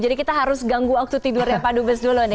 jadi kita harus ganggu waktu tidurnya pak dut bes dulu nih